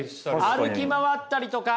歩き回ったりとか！